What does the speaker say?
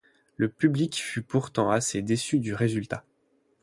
Le public fut pourtant assez déçu du résultat.